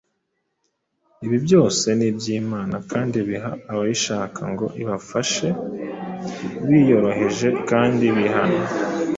ibi byose ni iby’Imana kandi ibiha abayishaka ngo ibafashe biyoroheje kandi bihana.